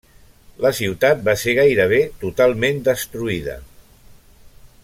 La ciutat va ser gairebé totalment destruïda.